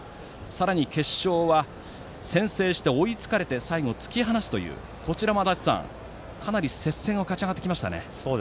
さらに決勝は先制して追いつかれて最後、突き放すというこちらも足達さん、かなり接戦を勝ち上がってきましたね。